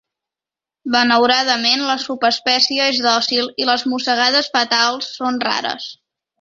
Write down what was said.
Benauradament la subespècie és dòcil i les mossegades fatals són rares.